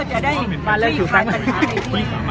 ขอช่วยคุณพี่อีกท่านหนึ่งครับ